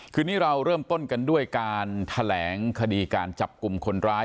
คืนนี้เราเริ่มต้นกันด้วยการแถลงคดีการจับกลุ่มคนร้าย